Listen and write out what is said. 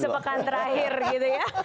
sepekan terakhir gitu ya